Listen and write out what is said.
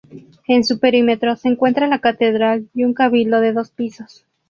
En su perímetro se encuentra la catedral y un cabildo de dos pisos.